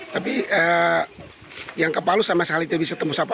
tapi yang kepalu sama sehal itu bisa tembus apa